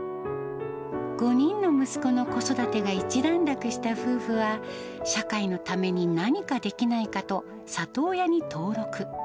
５人の息子の子育てが一段落した夫婦は、社会のために何かできないかと、里親に登録。